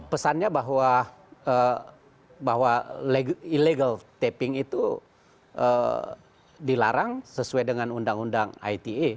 pesannya bahwa illegal taping itu dilarang sesuai dengan undang undang ite